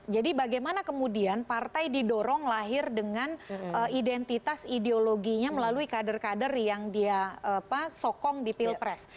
jadi bagaimana kemudian partai didorong lahir dengan identitas ideologinya melalui kader kader yang dia sokong di pilpres